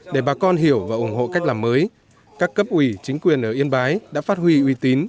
để bà con hiểu và ủng hộ cách làm mới các cấp ủy chính quyền ở yên bái đã phát huy uy tín